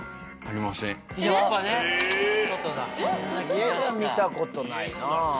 家じゃ見たことないな。